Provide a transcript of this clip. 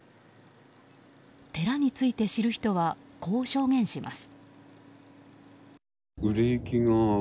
寺について知る人はこう証言します。